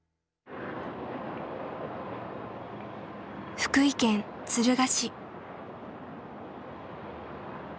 福井県敦賀市。